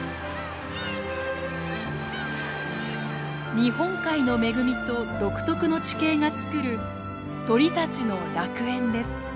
日本海の恵みと独特の地形が作る鳥たちの楽園です。